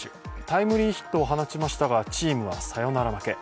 タイムリーヒットを放ちましたがチームはサヨナラ負け。